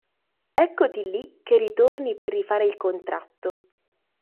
Eccoti lì che ritorni per rifare il contratto.